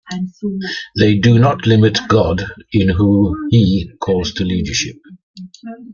They do not limit God in who He calls to leadership.